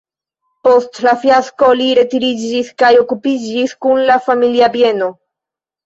Post la fiasko li retiriĝis kaj okupiĝis kun la familia bieno.